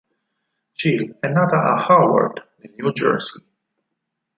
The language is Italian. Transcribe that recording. Gillies è nata a Haworth, nel New Jersey.